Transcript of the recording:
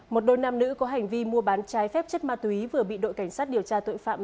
một đôi nam nữ có hành vi mua bán trái phép chất ma túy vừa bị đội cảnh sát điều tra tội phạm